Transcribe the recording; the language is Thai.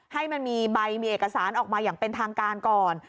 ให้มันมีใบมีเอกสารออกมาอย่างเป็นทางการก่อน